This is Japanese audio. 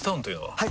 はい！